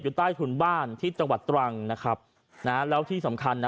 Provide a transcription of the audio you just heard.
ใต้ถุนบ้านที่จังหวัดตรังนะครับนะฮะแล้วที่สำคัญนะ